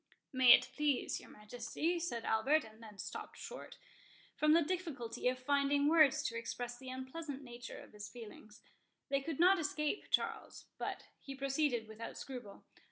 "May it please your Majesty," said Albert—and then stopped short, from the difficulty of finding words to express the unpleasant nature of his feelings. They could not escape Charles; but he proceeded without scruple.